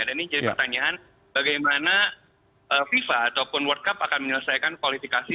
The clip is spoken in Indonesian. ini jadi pertanyaan bagaimana fifa ataupun world cup akan menyelesaikan kualifikasi